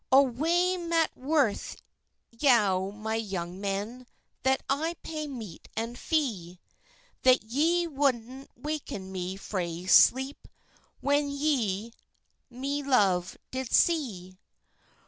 "O wae mat worth yow, my young men, That I pay meat and fee, That ye woudna waken me frae sleep When ye my love did see?